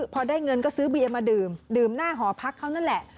พอได้เงินก็ซื้อเบียร์มาดื่มดื่มหน้าหอพักเขานั่นแหละ